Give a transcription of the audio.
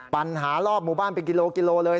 ปั่นหารอบหมู่บ้านไปกิโลเลย